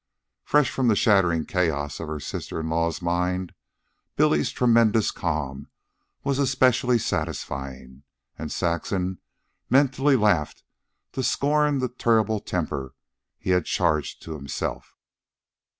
Fresh from the shattering chaos of her sister in law's mind, Billy's tremendous calm was especially satisfying, and Saxon mentally laughed to scorn the terrible temper he had charged to himself.